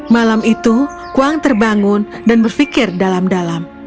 malam itu kuang terbangun dan berpikir dalam dalam